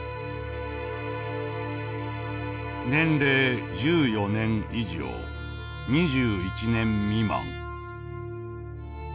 「年齢１４年以上２１年未満」。